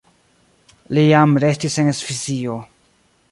Li jam restis en Svisio.